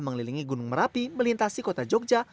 mengelilingi gunung merapi melintasi kota jogja